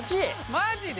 マジで？